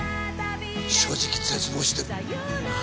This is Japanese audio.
正直絶望してる。